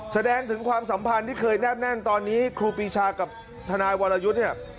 แสดงถึงความสัมพันธ์ที่เคยแนบแน่นตอนนี้ครูปีชากับทนายวรยุทธ์เนี่ย